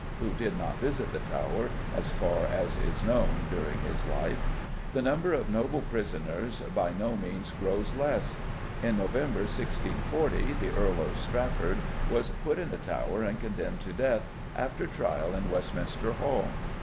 who did not visit the Tower, as far as is known, during his life the number of noble prisoners by no means grows less. In November 1640 the Earl of Strafford was put in the Tower and condemned to death after trial in Westminster Hall.